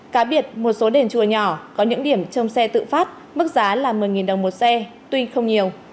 cá biệt một số đền chùa nhỏ có những điểm trong xe tự phát mức giá là một mươi đồng một xe tuy không nhiều